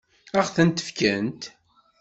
Ad ɣ-ten-fkent?